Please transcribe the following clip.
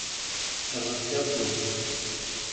Rret tawwurt.